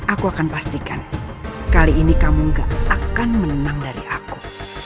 aku akan pastikan kali ini kamu gak akan menang dari aku